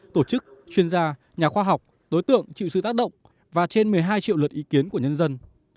tổ chức chuyên gia nhà khoa học đối tượng chịu sự tác động và trên một mươi hai triệu luật ý kiến của nhân dân